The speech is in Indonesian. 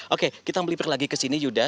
oke kita melipir lagi ke sini yuda